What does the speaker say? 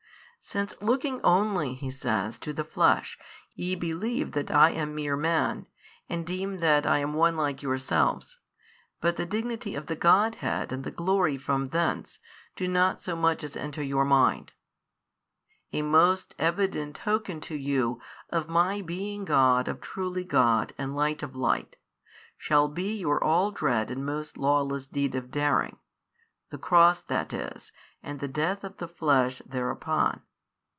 Since looking only (He says) to the flesh, ye believe that I am mere Man, and deem that I am one like yourselves, but the Dignity of the Godhead and the Glory from thence, do not so much as enter your mind: a most evident token to you of My being God of Truly God and Light of Light, shall be your all dread and most lawless deed of daring, the Cross that is and the Death of the Flesh thereupon.